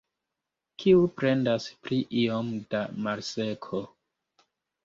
Kiu plendas pri iom da malseko?